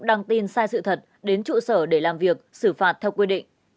đăng tin sai sự thật đến trụ sở để làm việc xử phạt theo quy định